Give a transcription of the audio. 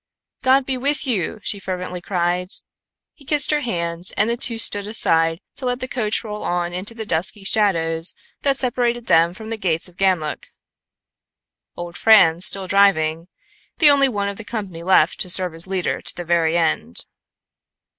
"God be with you," she fervently cried. He kissed her hand, and the two stood aside to let the coach roll on into the dusky shadows that separated them from the gates of Ganlook, old Franz still driving the only one of the company left to serve his leader to the very end.